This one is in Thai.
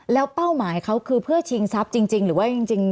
แล้วเป้าหมายเขาคือเพื่อชิงทรัพย์จริงหรือว่าจริง